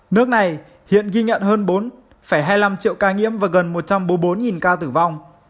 nước này hiện ghi nhận hơn bốn hai mươi năm triệu ca nhiễm và gần một trăm bốn mươi bốn ca tử vong